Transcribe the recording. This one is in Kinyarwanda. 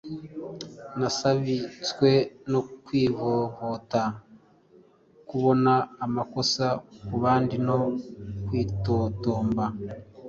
Nasabitswe no kwivovota, kubona amakosa ku bandi no kwitotomba.